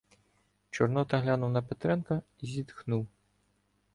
Чорнота глянув на Петренка і зітхнув: